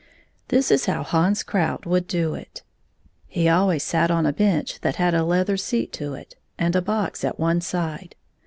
This is how Hans Krout would do it : He always sat on a bench that had a leather seat to it, and a box at one side.